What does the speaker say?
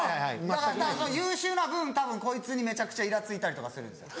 だから優秀な分たぶんこいつにめちゃくちゃイラついたりとかするんですよ。